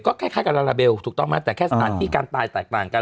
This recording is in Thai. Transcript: ก็คล้ายกับลาลาเบลถูกต้องไหมแต่แค่สถานที่การตายแตกต่างกัน